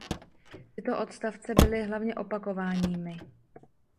Tyto odstavce byly hlavně opakováními.